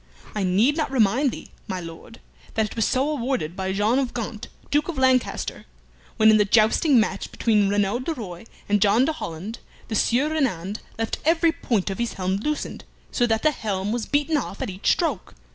I need not remind thee, my Lord, that it was so awarded by John of Gaunt, Duke of Lancaster, when in the jousting match between Reynand de Roye and John de Holland, the Sieur Reynand left every point of his helm loosened, so that the helm was beaten off at each stroke.